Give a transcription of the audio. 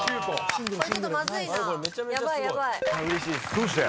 どうして？